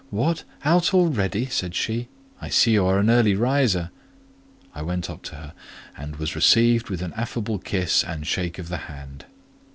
"What! out already?" said she. "I see you are an early riser." I went up to her, and was received with an affable kiss and shake of the hand.